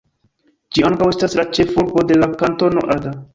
Ĝi ankaŭ estas la ĉefurbo de la Kantono Ada.